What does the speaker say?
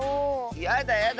やだやだ